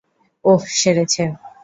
ওহ, সেরেছে।